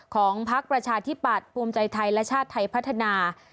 ของภักรณ์ประชาธิปัดภูมิใจไทยและชาติไทยพัฒนา